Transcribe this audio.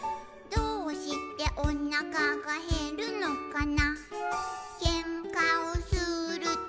「どうしておなかがへるのかな」